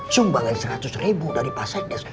sumbangan seratus ribu dari pak said des